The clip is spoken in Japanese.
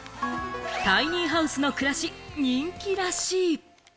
タイニーハウスの暮らし、人気らしい。